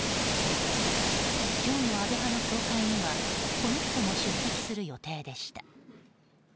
今日の安倍派の総会にはこの人も出席する予定でした。